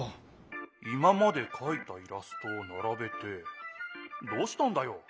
今までかいたイラストをならべてどうしたんだよ？